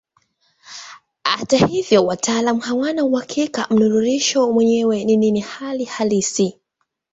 Hata hivyo wataalamu hawana uhakika mnururisho mwenyewe ni nini hali halisi.